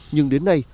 nhưng đến nay